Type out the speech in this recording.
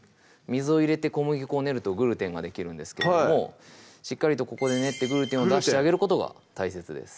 水を入れて小麦粉を練るとグルテンができるんですけれどもしっかりとここで練ってグルテンを出してあげることが大切です